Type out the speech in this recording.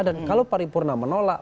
dan kalau paripurna menolak